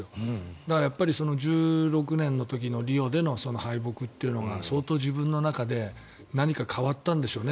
だから２０１６年の時のリオでの敗北というのは相当自分の中で何か変わったんでしょうね